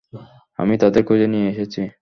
আমি তাদের খুজে নিয়ে এসেছি।